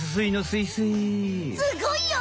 すごいよ！